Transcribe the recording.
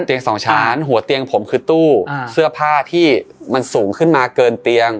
สองชั้นหัวเตียงผมคือตู้เสื้อผ้าที่มันสูงขึ้นมาเกินเตียง